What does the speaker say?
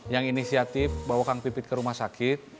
yang inisiatif bawa kang pipit ke rumah sakit